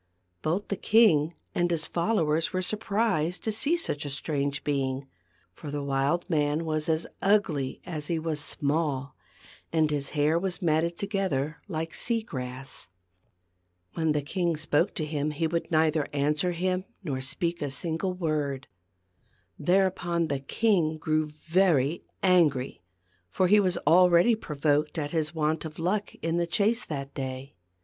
Both the king and his followers were surprised to see such a strange being ; for the wild man was as ugly as he was small, and his hair was matted together like sea grass. When the king 255 256 THE GLASS MOUNTAIN. spoke to him he would neither answer him nor speak a single word. Thereupon the king grew very angry ; for he was already provoked at his , want of luck in the chase that day.